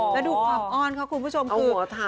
แล้วดูความอ้อนค่ะคุณผู้ชมคือ